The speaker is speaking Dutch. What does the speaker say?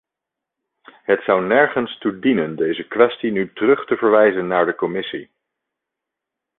Het zou nergens toe dienen deze kwestie nu terug te verwijzen naar de commissie.